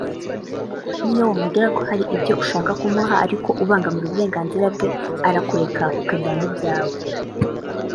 niyo wamubwira ko hari ibyo ushaka kumuha ariko ubangamira uburenganzira bwe arakureka ukajyana ibyawe